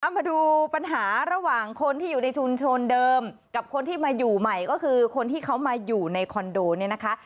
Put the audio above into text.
มาดูปัญหาระหว่างคนที่อยู่ในชุมชนเดิมกับคนที่มาอยู่ใหม่ก็คือคนที่เขามาอยู่ในคอนโดเนี่ยนะคะ